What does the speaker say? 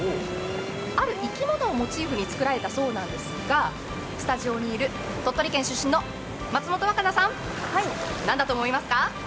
ある生き物をモチーフに作られたそうなんですがスタジオにいる鳥取県出身の松本若菜さん、何だと思いますか？